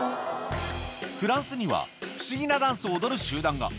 フランスには、不思議なダンスを踊る集団が。